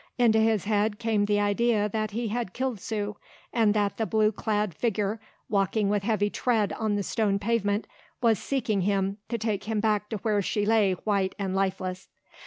Into his head came the idea that he had killed Sue and that the blue clad figure walking with heavy tread on the stone pavement was seeking him to take him back to where she lay white and lifeless.